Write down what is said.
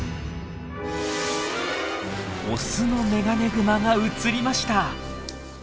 オスのメガネグマが映りました。